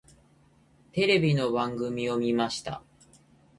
テレビの番組を見ました。